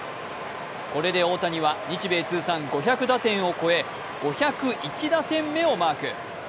これで大谷は日米通算５００打点を超え５０１打点目をマーク。